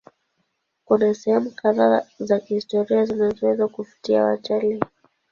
Kuna sehemu kadhaa za kihistoria zinazoweza kuvutia watalii.